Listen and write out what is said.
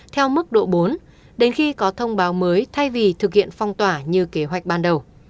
theo mức độ bốn đến khi có thông báo mới thay vì thực hiện phong tỏa như kế hoạch ban đầu